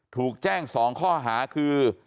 ถูกแจ้ง๒ข้อหาคือ